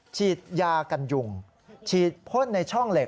ฉีดยากันยุงฉีดพ่นในช่องเหล็